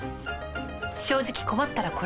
正直困ったらこれ。